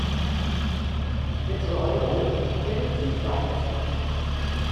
Mit Säuren bildet sie Salze.